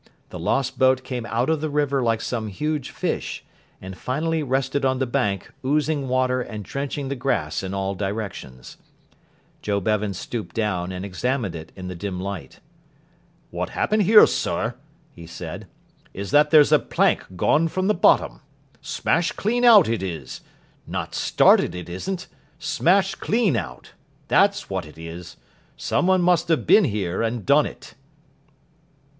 The lost boat came out of the river like some huge fish, and finally rested on the bank, oozing water and drenching the grass in all directions. Joe Bevan stooped down, and examined it in the dim light. "What's happened here, sir," he said, "is that there's a plank gone from the bottom. Smashed clean out, it is. Not started it isn't. Smashed clean out. That's what it is. Some one must have been here and done it."